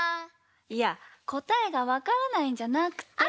いやこたえがわからないんじゃなくて。